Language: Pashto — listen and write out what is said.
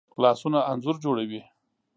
لاسونه انځور جوړوي